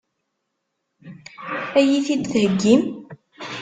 Ad iyi-t-id-theggim?